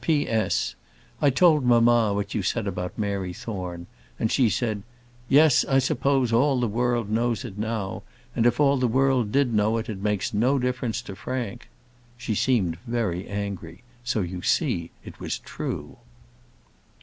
P.S. I told mamma what you said about Mary Thorne, and she said, "Yes; I suppose all the world knows it now; and if all the world did know it, it makes no difference to Frank." She seemed very angry; so you see it was true.